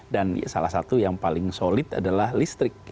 dan salah satu yang paling solid adalah listrik